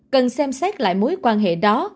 cần xem xét lại mối quan hệ đó